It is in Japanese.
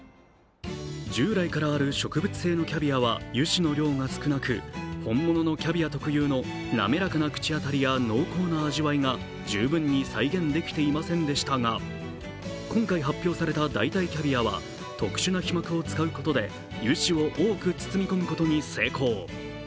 従来からある植物性のキャビアは油脂の量が少なく本物のキャビア特有の滑らかな口当たりや濃厚な味わいが十分に再現できていませんでしたが、今回発表された代替キャビアは特殊な皮膜を使うことで油脂を多く包み込むことに成功。